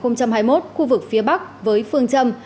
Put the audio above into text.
năm hai nghìn hai mươi một khu vực phía bắc với phương châm